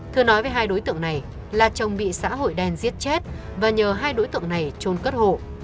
thưa nói với hai đối tượng này là chồng bị xã hội đen giết chết và nhờ hai đối tượng này trôn cất hộ